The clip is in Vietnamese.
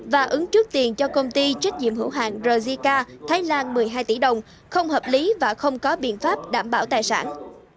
và ứng trước tiền cho công ty trách nhiệm hữu hàng rzk thái lan một mươi hai tỷ đồng không hợp lý và không có biện pháp đảm bảo tài sản